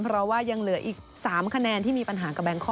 เพราะว่ายังเหลืออีก๓คะแนนที่มีปัญหากับแบงคอก